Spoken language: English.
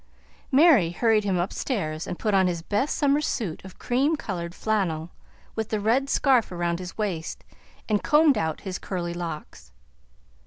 Mary hurried him upstairs and put on his best summer suit of cream colored flannel, with the red scarf around his waist, and combed out his curly locks.